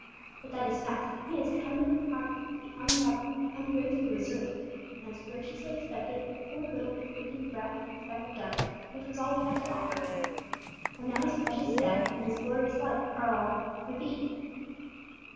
But that is past, and He has tenderly pardoned the unloving, ungrateful reserve, and has graciously accepted the poor little fleeting breath and speck of dust which was all we had to offer. And now His precious death and His glorious life are all 'for thee.'